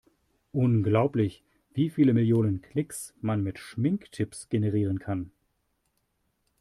Unglaublich, wie viele Millionen Klicks man mit Schminktipps generieren kann!